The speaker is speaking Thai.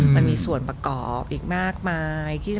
มันมีส่วนประกอบอีกมากมาย